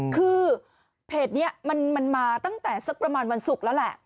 คือเพจนี้มันมาตั้งแต่สักประมาณวันศุกร์แล้วแหละ